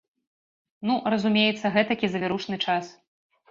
Ну, разумеецца, гэтакі завірушны час.